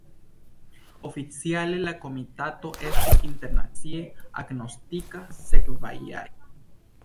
Oficiale, la komitato estis internacie agnoskita sekvajare.